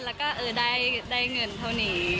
แล้วก็ได้เงินเท่านี้